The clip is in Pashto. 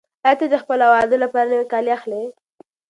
آیا ته د خپل واده لپاره نوي کالي اخلې؟